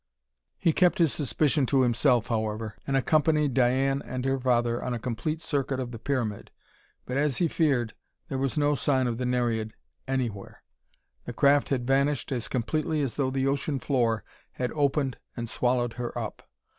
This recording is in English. He kept his suspicion to himself, however, and accompanied Diane and her father on a complete circuit of the pyramid; but, as he feared, there was no sign of the Nereid anywhere. The craft had vanished as completely as though the ocean floor had opened and swallowed her up.